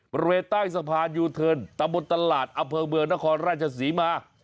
ประเวทใต้สะพานอยู่เทินตะบนตลาดอเภิงเมืองนครราชสีมา